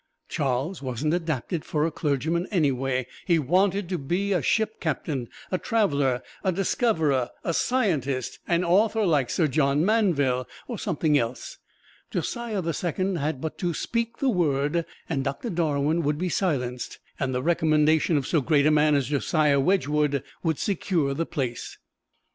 Charles wasn't adapted for a clergyman, anyway; he wanted to be a ship captain, a traveler, a discoverer, a scientist, an author like Sir John Mandeville, or something else. Josiah the Second had but to speak the word and Doctor Darwin would be silenced, and the recommendation of so great a man as Josiah Wedgwood would secure the place.